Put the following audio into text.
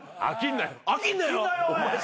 飽きんなよ。